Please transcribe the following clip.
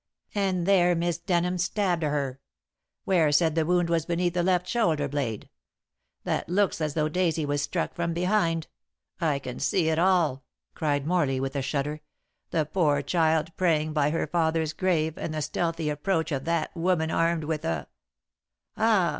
"And there Miss Denham stabbed her. Ware said the wound was beneath the left shoulder blade. That looks as though Daisy was struck from behind. I can see it all," cried Morley, with a shudder. "The poor child praying by her father's grave, and the stealthy approach of that woman armed with a " "Ah!"